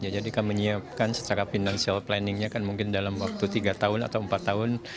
jadi kan menyiapkan secara financial planningnya kan mungkin dalam waktu tiga tahun atau empat tahun